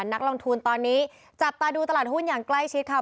นักลงทุนตอนนี้จับตาดูตลาดหุ้นอย่างใกล้ชิดค่ะ